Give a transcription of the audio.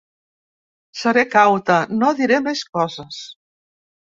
Seré cauta, no diré més coses.